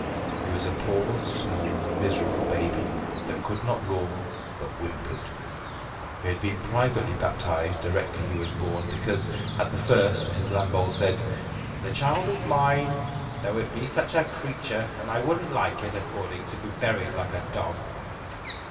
He was a poor, small, miserable baby, that could not roar, but whimpered. He had been privately baptised directly he was born, because, at the first, Mrs. Lambole said, "The child is mine, though it be such a creetur, and I wouldn't like it, according, to be buried like a dog."